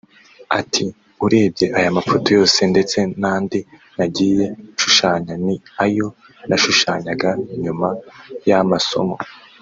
Ati “ Urebye aya mafoto yose ndetse n’andi nagiye nshushanya ni ayo nashushanyaga nyuma y’amasomo